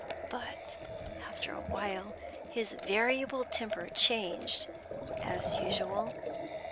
But, after a while, his variable temper changed, as usual.